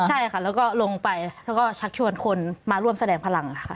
ใช่ค่ะแล้วก็ลงไปแล้วก็ชักชวนคนมาร่วมแสดงพลังค่ะ